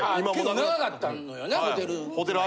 結構長かったのよねホテル。